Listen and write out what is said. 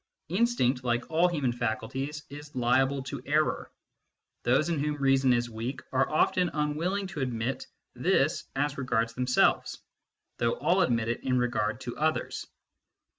Instinct, like all human faculties, is liable to error. Those in whom reason is weak are often unwilling to admit this as regards themselves, though all admit it in regard to others.